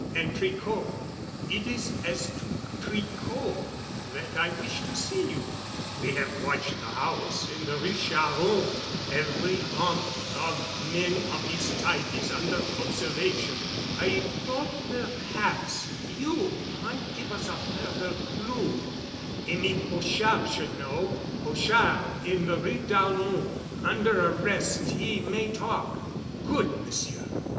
"And Tricot?" "It is as to Tricot that I wished to see you. We have watched the house in the Rue Charron. Every haunt of men of his type is under observation. I thought perhaps that you might give us a further clue." "Émile Pochard should know. Pochard in the Rue Dalmon—under arrest he may talk——" "Good, Monsieur.